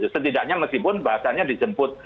setidaknya meskipun bahasanya dijemput